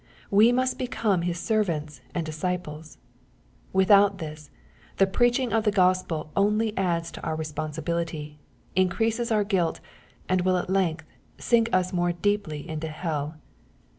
We must become his servants and disciples. Without this, the preaching of the Gospel only adds to our responsibility, increases our guilt, and will at length sink us more deeply into hell.